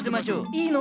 いいの？